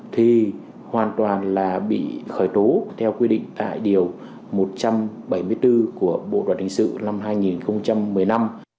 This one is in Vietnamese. thì hoàn toàn là bị khởi tố theo quy định tại điều một trăm bảy mươi bốn của bộ luật hình sự năm hai nghìn một mươi năm